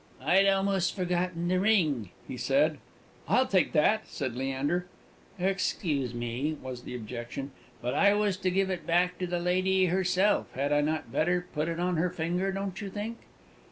"I'd almost forgotten the ring," he said. "I'll take that!" said Leander. "Excuse me," was the objection, "but I was to give it back to the lady herself. Had I not better put it on her finger, don't you think?"